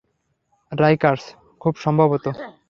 Rikers, খুব সম্ভবত।